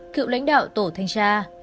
cựu lãnh đạo tổ thanh tra